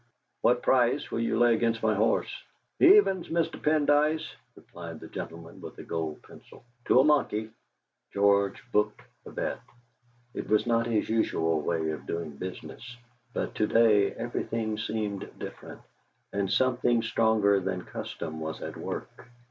"What price will you lay against my horse?" "Evens, Mr. Pendyce," replied the gentleman with the gold pencil, "to a monkey." George booked the bet. It was not his usual way of doing business, but to day everything seemed different, and something stronger than custom was at work.